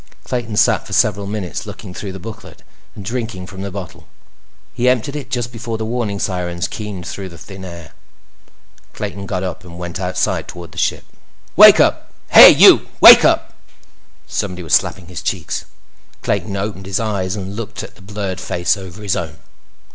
Clayton sat for several minutes, looking through the booklet and drinking from the bottle. He emptied it just before the warning sirens keened through the thin air. Clayton got up and went outside toward the ship. "Wake up! Hey, you! Wake up!" Somebody was slapping his cheeks. Clayton opened his eyes and looked at the blurred face over his own.